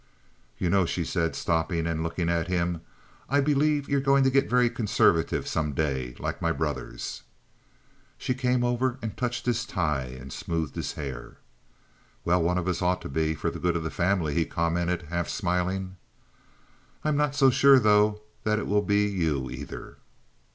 "You know," she said, stopping and looking at him, "I believe you're going to get very conservative some day—like my brothers." She came over and touched his tie and smoothed his hair. "Well, one of us ought to be, for the good of the family," he commented, half smiling. "I'm not so sure, though, that it will be you, either."